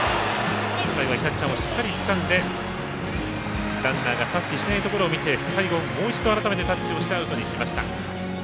最後はキャッチャーもしっかりつかんでランナーがタッチしないところを見て最後、改めてもう一度タッチをしてアウトにしました。